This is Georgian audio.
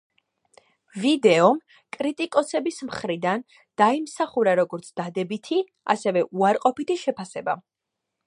ვიდეომ კრიტიკოსების მხრიდან დაიმსახურა როგორც დადებითი ასევე უარყოფითი შეფასება.